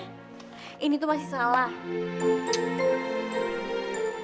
kayak apa ada urut fucking so available lulu